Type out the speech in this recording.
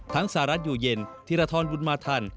ทั้งสารัสอยู่เย็นทิรทรวนวุฒิมาทัน